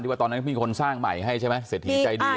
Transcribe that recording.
ว่าตอนนั้นมีคนสร้างใหม่ให้ใช่ไหมเศรษฐีใจดี